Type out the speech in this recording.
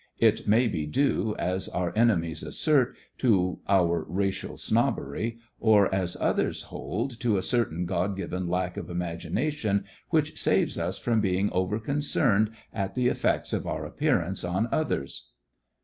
It may be due, as our enemies assert, to our racial snobbery, or, as THE FRINGES OF THE FLEET lit others hold, to a certain God given lack of imagination which saves us from being over concerned at the effects of our appearances on others.